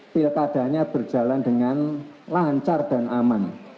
pilkadanya berjalan dengan lancar dan aman